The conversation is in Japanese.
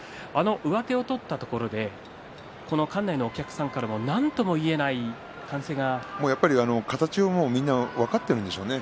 上手を取ったところで館内のお客さんからも形をみんな分かっているんでしょうね